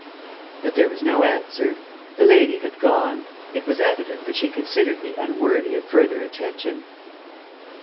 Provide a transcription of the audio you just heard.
But there was no answer. The lady had gone. It was evident that she considered me unworthy of further attention.